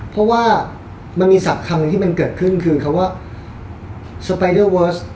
เพราะว่ามันมีศักดิ์คำหนึ่งที่มันเกิดขึ้นคือคำว่าสไปเดอร์เวิร์ส